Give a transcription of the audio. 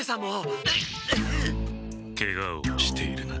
ケガをしているな。